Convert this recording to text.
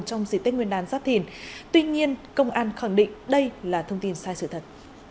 trong dịp tết nguyên đán giáp thìn tuy nhiên công an khẳng định đây là thông tin sai sự thật